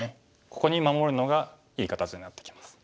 ここに守るのがいい形になってきます。